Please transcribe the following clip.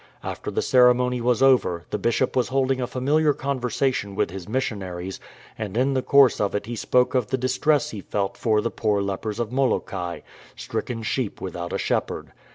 After the ceremony was over, the bishop was holding a familiar conversation with his missionaries, and in the course of it he spoke of the distress he felt for the poor lepers of Molokai — stricken 302 DAMIEN'S PROPOSAL sheep without a shepherd.